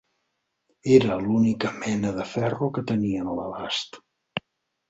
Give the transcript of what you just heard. Era l'única mena de ferro que tenien a l'abast.